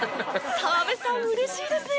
澤部さん嬉しいですね。